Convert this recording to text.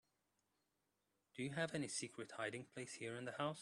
Do you have any secret hiding place here in the house?